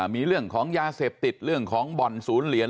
มีเรื่องของยาเสพติดเรื่องของบ่อนศูนย์เหรียญ